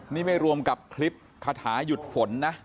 นี่ไม่รวมกับคลิปคาถาหยุดฝนนะ